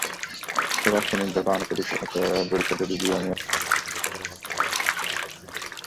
তোবার শ্রমিকদের পাওনা পরিশোধে বিজিএমইএর যথাযথ পদক্ষেপের অভাব তাদের ভাবমূর্তিকেই প্রশ্নবিদ্ধ করেছে।